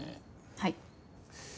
はい。